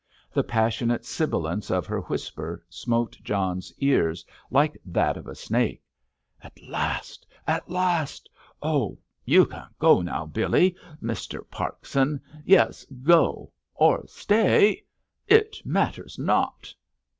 The passionate sibilance of her whisper smote John's ears, like that of a snake. "At last! At last! ... Oh, you can go now, Billy, Mr. Parkson. Yes—go, or stay! It matters not!"